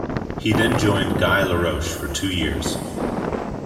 He then joined Guy Laroche for two years.